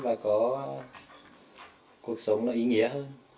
và có cuộc sống nó ý nghĩa hơn